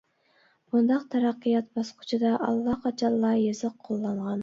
بۇنداق تەرەققىيات باسقۇچىدا ئاللا قاچانلا يېزىق قوللانغان.